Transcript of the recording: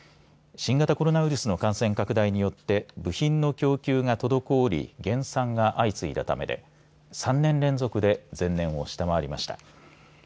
新型コロナウイルスの感染拡大によって部品の供給が滞り減産が相次いだためで３年連続で前年を下回りました。